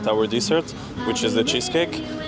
kita akan membuat dessert yaitu cheesecake